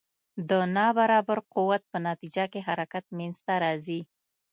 د نا برابر قوت په نتیجه کې حرکت منځته راځي.